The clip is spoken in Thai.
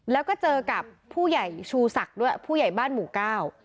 แล้วก็เจอกับผู้ใหญ่ชูศักดิ์ด้วยผู้ใหญ่บ้านหมู่เก้า